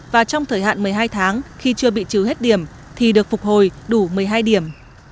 và trong thời hạn một mươi hai tháng khi chưa bị trừ hết điểm thì được phục hồi đủ một mươi hai điểm